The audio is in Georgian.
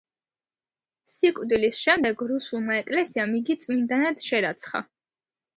სიკვდილის შემდეგ რუსულმა ეკლესიამ იგი წმინდანად შერაცხა.